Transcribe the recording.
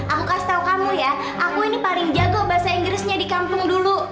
aku kasih tahu kamu ya aku ini paling jago bahasa inggrisnya di kampung dulu